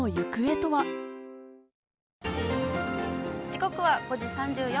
時刻は５時３４分。